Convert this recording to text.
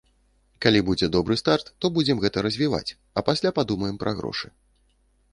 Калі будзе добры старт, то будзем гэта развіваць, а пасля падумаем пра грошы.